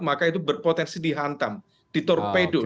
maka itu berpotensi dihantam ditorpedo